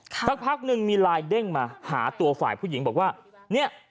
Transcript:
สักพักหนึ่งมีไลน์เด้งมาหาตัวฝ่ายผู้หญิงบอกว่าเนี่ย